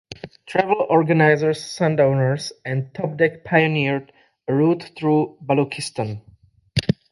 Travel organizers Sundowners and Topdeck pioneered a route through Baluchistan.